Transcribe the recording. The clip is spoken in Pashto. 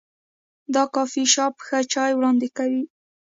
دا کافي شاپ ښه چای وړاندې کوي.